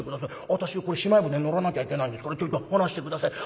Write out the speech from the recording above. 私はしまい舟に乗らなきゃいけないんですからちょいと離して下さい。